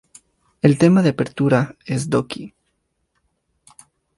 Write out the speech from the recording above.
El tema de apertura es "Doki!